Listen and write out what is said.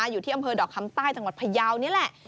อยู่ที่อำเภอดอกคำใต้จังหวัดพยาวนี่แหละ